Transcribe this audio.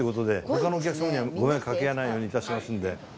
他のお客様にはご迷惑かけないように致しますんで。